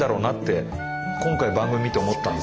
今回番組見て思ったんですよね。